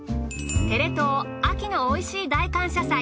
テレ東秋のおいしい大感謝祭。